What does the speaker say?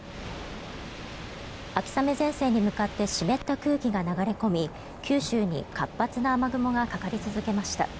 秋雨前線に向かって湿った空気が流れ込み九州に活発な雨雲がかかり続けました。